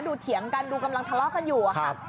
เถียงกันดูกำลังทะเลาะกันอยู่อะค่ะ